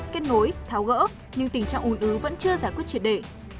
kết nối tháo gỡ nhưng tình trạng ủn ứ vẫn chưa giải quyết triệt đề